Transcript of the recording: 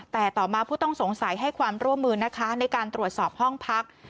แต่ต่อมาผู้ต้องสงสัยให้ความร่วมมือนะคะในการตรวจสอบห้องพัก